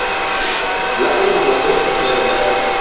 La urboj estis verdaj.